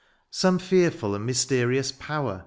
Some fearful and mysterious power.